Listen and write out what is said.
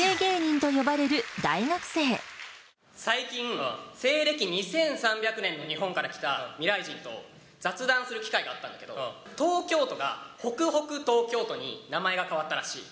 最近、西暦２３００年の日本から来た未来人と、雑談する機会があったんだけど、東京都が北北東京都に名前が変わったらしい。